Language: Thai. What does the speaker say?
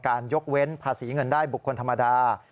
ยกเว้นภาษีเงินได้บุคคลธรรมดา